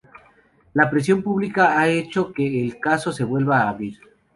La presión pública ha hecho que el caso se vuelva a abrir.